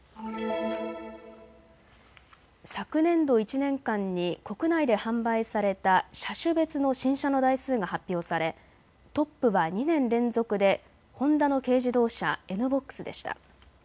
昨年度１年間に国内で販売された車種別の新車の台数が発表されトップは２年連続でホンダの軽自動車、ＮーＢＯＸでした。